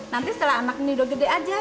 nanti setelah anak nido gede aja ya